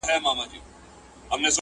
له ربابي سره شهباز ژړله،